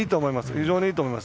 非常にいいと思います。